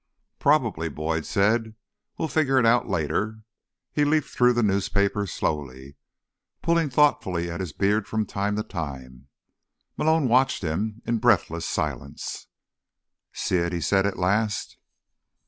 "Probably," Boyd said. "We'll figure it out later." He leafed through the newspaper slowly, pulling thoughtfully at his beard from time to time. Malone watched him in breathless silence. "See it?" he said at last.